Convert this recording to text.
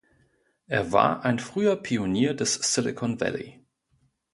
Er war ein früher Pionier des Silicon Valley.